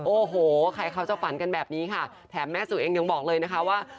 โอ้โหใครเขาจะฝันกันแบบนี้ค่ะแถมแม่สุเองยังบอกเลยนะคะว่า